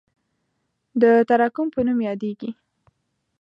د تراکم په نوم یادیږي.